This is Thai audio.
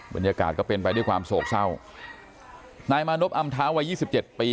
บรรยากาศก็เป็นไปด้วยความโศกเศร้านายมานบอำเท้าวัยยี่สิบเจ็ดปี